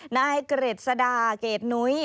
นายเกร็ษดาเกรดนุ้ย